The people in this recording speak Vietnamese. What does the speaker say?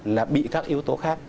là bị các yếu tố khác